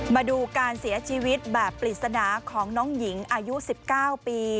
มาดูการเสียชีวิตแบบปริศนาของน้องหญิงอายุ๑๙ปี